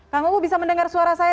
kang unggu bisa mendengar suara saya